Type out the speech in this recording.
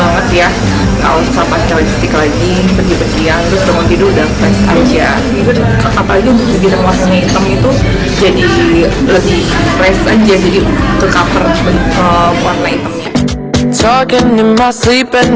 wanita jadi praktis banget ya kalau pasnya logistik lagi pergi pergi terus mau tidur udah fresh aja